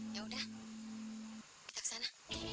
ya udah kita ke sana